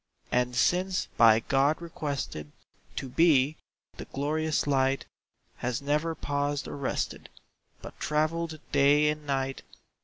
And since by God requested To be, the glorious light Has never paused or rested, But travelled day and night.